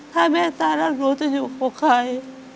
ถ้าแม่ตายแล้วหนูจะอยู่กับใคร